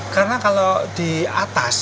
karena kalau di atas